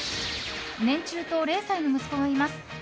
年中と０歳の息子がいます